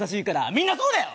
みんなそうだよ！